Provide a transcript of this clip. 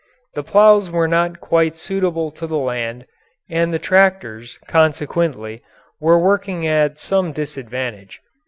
The ploughs were not quite suitable to the land, and the tractors, consequently, were working at some disadvantage.